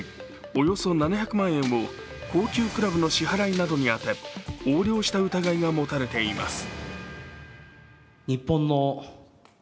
およそ７００万円を高級クラブの支払いなどに充て横領した疑いが持たれています。